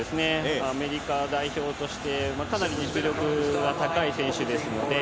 アメリカ代表としてかなり実力が高い選手です。